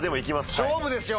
勝負ですよ。